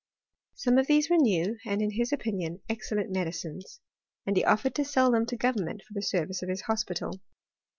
Some of these were new, and, in his opinion, excellent medicines ; and he offered to sell them to government for the service of his hospital.